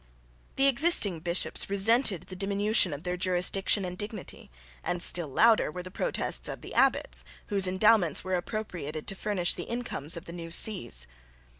The existing bishops resented the diminution of their jurisdiction and dignity, and still louder were the protests of the abbots, whose endowments were appropriated to furnish the incomes of the new sees.